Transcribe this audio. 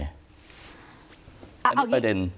อันนี้ประเด็น